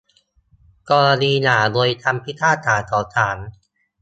กรณีหย่าโดยคำพิพากษาของศาล